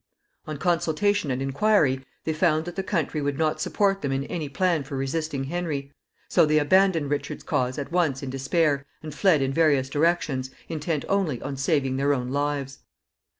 On consultation and inquiry, they found that the country would not support them in any plan for resisting Henry. So they abandoned Richard's cause at once in despair, and fled in various directions, intent only on saving their own lives.